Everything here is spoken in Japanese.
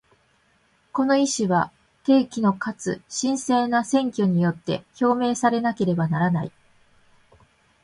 この意思は、定期のかつ真正な選挙によって表明されなければならない。